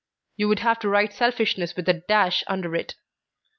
You would have to write selfishness with a dash under it.